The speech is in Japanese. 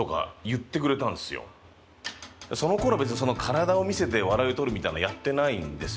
そのころは別にそんな体を見せて笑いをとるみたいなのやってないんですよ